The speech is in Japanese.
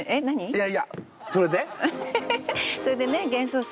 いやいやそれで？